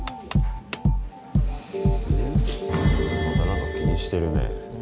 また何か気にしてるね。